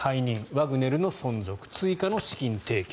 ワグネルの存続追加の資金提供。